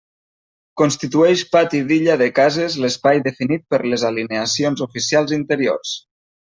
Constitueix pati d'illa de cases l'espai definit per les alineacions oficials interiors.